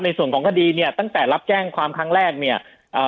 ในส่วนของคดีเนี่ยตั้งแต่รับแจ้งความครั้งแรกเนี่ยเอ่อ